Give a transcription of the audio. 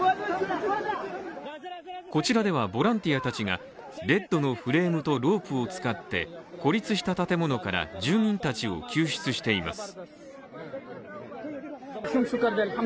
こちらではボランティアたちが、ベッドのフレームとロープを使って孤立した建物から住民たちを救出しています。